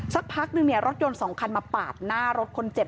สักพักนึงเนี่ยรถยนต์๒คันมาปาดหน้ารถคนเจ็บ